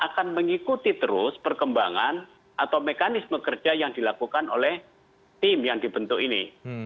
dan akan mengikuti terus perkembangan atau mekanisme kerja yang dilakukan oleh tim yang dibentuk ini